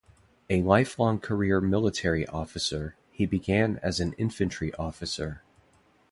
A lifelong career military officer, he began as an infantry officer.